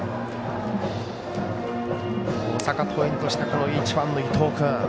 大阪桐蔭としては１番の伊藤君